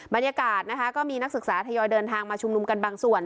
บรรยากาศนะคะก็มีนักศึกษาทยอยเดินทางมาชุมนุมกันบางส่วน